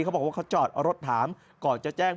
เขาบอกว่าเขาจอดเอารถถามก่อนจะแจ้ง